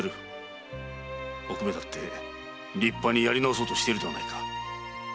おくめだって立派にやり直そうとしてるではないか。